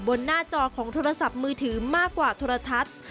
บนหน้าจอของนักโดยมือถือมากกว่าโทรทัศน์